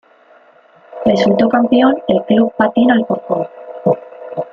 Resultó campeón el Club Patín Alcorcón.